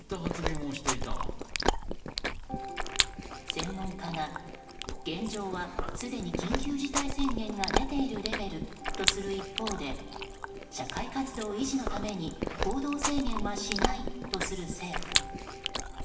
専門家が現状はすでに緊急事態宣言が出ているレベルとする一方で社会活動維持のために行動制限はしないとする政府。